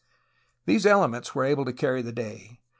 These ele ments were able to carry the day.